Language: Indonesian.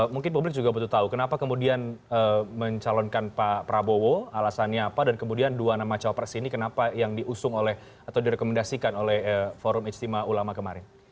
mungkin publik juga butuh tahu kenapa kemudian mencalonkan pak prabowo alasannya apa dan kemudian dua nama cawapres ini kenapa yang diusung oleh atau direkomendasikan oleh forum istimewa ulama kemarin